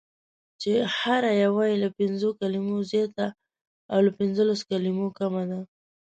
چې هره یوه یې له پنځو کلمو زیاته او له پنځلسو کلمو کمه ده: